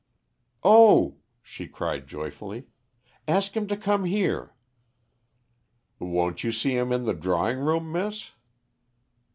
"Oh," she cried joyfully, "ask him to come here." "Won't you see him in the drawing room, miss?"